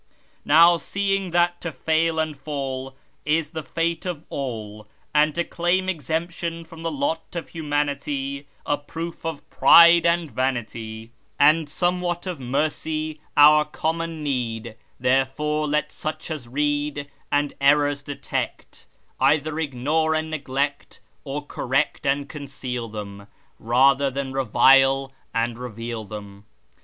Now seeing that to fail and fall is the fate of all, and to claim exemption from the lot of humanity a proof of pride and vanity, and somewhat of mercy our common need ; therefore let such as read, and errors detect, either ignore and neglect, or correct and conceal tlvem rather than revile and reveal them.